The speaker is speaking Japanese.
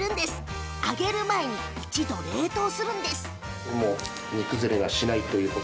揚げる前に一度、冷凍するんです。